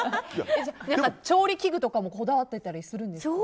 調理器具とかもこだわっていたりするんですか？